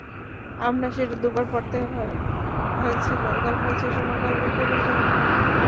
আমার সেটা দুবার পড়তে হয়েছিল গল্প বোঝার জন্য, গল্পের গভীরে যাওয়ার জন্য।